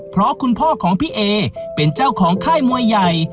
เพราะคุณพ่อของพี่เอเป็นเจ้าของค่ายมวยใหญ่